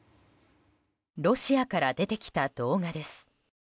ロシアから出てきた動画です。